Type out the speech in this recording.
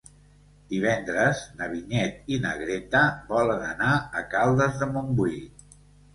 Divendres na Vinyet i na Greta volen anar a Caldes de Montbui.